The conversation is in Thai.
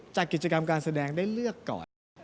จากกิจกรรมการแสดงได้เลือกก่อน